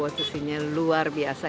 scene nya luar biasa